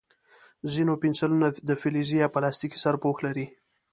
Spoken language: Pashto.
ځینې پنسلونه د فلزي یا پلاستیکي سرپوښ لري.